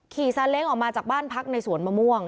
ซาเล้งออกมาจากบ้านพักในสวนมะม่วง